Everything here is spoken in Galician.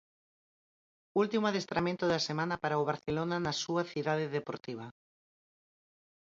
Último adestramento da semana para o Barcelona na súa Cidade Deportiva.